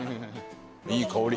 いい香り。